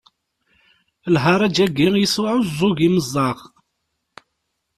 Lharaǧ-agi yesɛuẓẓug imeẓaɣ.